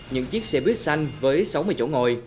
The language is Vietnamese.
những chiếc xe buýt xanh với sáu mươi chỗ ngồi